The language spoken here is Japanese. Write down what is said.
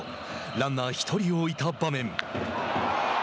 ランナー１人を置いた場面。